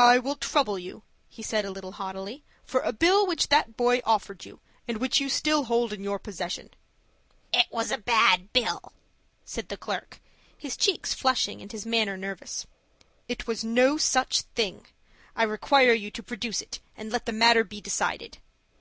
"I will trouble you," he said a little haughtily, "for a bill which that boy offered you, and which you still hold in your possession." "It was a bad bill," said the clerk, his cheek flushing, and his manner nervous. "It was no such thing. I require you to produce it, and let the matter be decided."